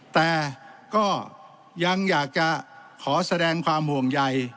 แต่ก็ยังอยากจะขอแสดงความห่วงใย